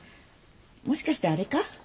もしかしてあれか？